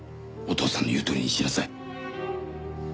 お父さんの言うとおりにしなさい。